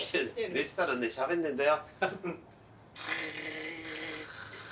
寝てたらねしゃべんねえんだよ。